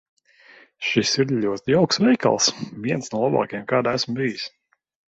Šis ir ļoti jauks veikals. Viens no labākajiem, kādā esmu bijis.